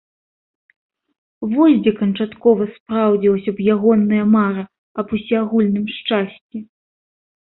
Вось дзе канчаткова спраўдзілася б ягоная мара аб усеагульным шчасці!